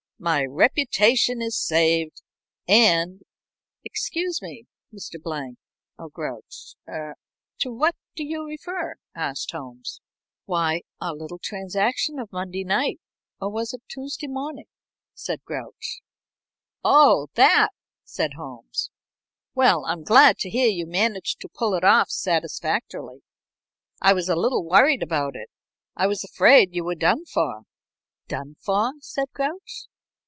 My reputation is saved, and " "Excuse me, Mr. Blank or Grouch er to what do you refer?" asked Holmes. "Why, our little transaction of Monday night or was it Tuesday morning?" said Grouch. "Oh that!" said Holmes. "Well, I'm glad to hear you managed to pull it off satisfactorily. I was a little worried about it. I was afraid you were done for." "Done for?" said Grouch.